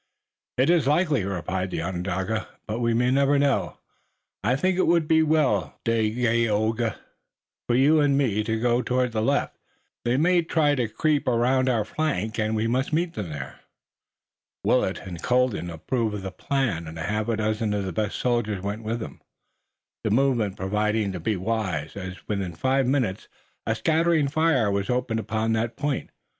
"It is likely," replied the Onondaga, "but we may never know. I think it would be well, Dagaeoga, for you and me to go toward the left. They may try to creep around our flank, and we must meet them there." Willet and Colden approved of the plan, and a half dozen of the best soldiers went with them, the movement proving to be wise, as within five minutes a scattering fire was opened upon that point.